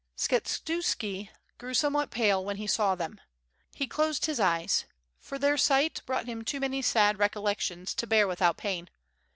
Skshetuski grew somewhat pale when he saw them. He closed his eyes, for their sight brought him too many sad recollections to bear without pain.